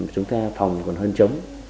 chúng ta phòng còn hơn chống